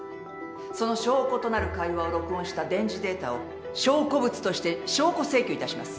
その証拠となる会話を録音した電磁データを証拠物として証拠請求いたします。